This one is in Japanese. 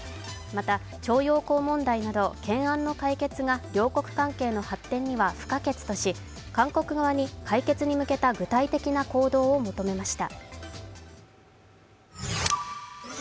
また、徴用工問題など、懸案の解決が両国関係の発展には不可欠とし、韓国側に解決に向けた具体的な行動を求めました。